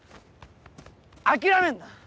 諦めんな！